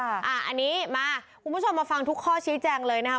อันนี้มาคุณผู้ชมมาฟังทุกข้อชี้แจงเลยนะครับ